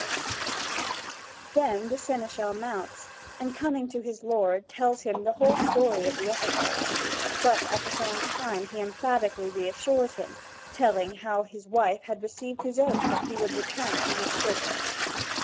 Then the seneschal mounts, and coming to his lord, tells him the whole story of the episode; but at the same time, he emphatically reassures him, telling how his wife had received his oath that he would return to his prison.